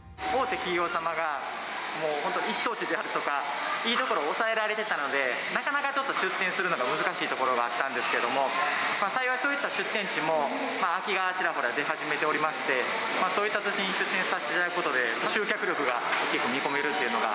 大手企業様が、もうほんと、一等地であるとか、いい所を押さえられてたので、なかなかちょっと、出店するのが難しいところがあったんですけども、幸い、そういった出店地も、空きがちらほら出始めておりまして、そういった土地に出店させていただくことで、集客力が結構見込めるというのが。